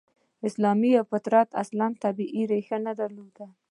اسلامي افراطیت اصلاً طبیعي ریښه نه درلوده.